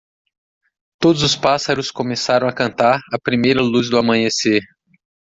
Todos os pássaros começaram a cantar à primeira luz do amanhecer.